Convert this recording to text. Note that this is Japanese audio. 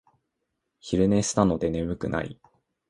昼寝したので眠くない